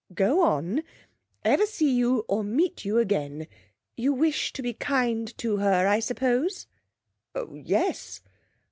'Go on. Ever see you or meet you again. You wish to be kind to her, I suppose?' 'Oh yes.'